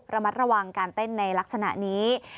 ระมัดระวังการเต้นในลักษณะนี้